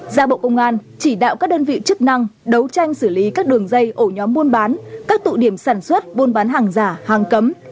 ra bộ công an chỉ đạo các đơn vị chức năng đấu tranh xử lý các đường dây ổ nhóm buôn bán các tụ điểm sản xuất buôn bán hàng giả hàng cấm